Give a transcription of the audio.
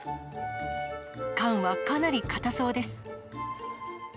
缶はかなり硬そうです。